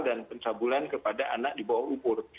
dan pencabulan kepada anak di bawah ukur